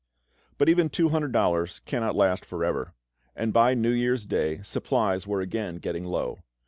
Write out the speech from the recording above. But even two hundred dollars cannot last for ever, and by New Year's Day supplies were again getting low.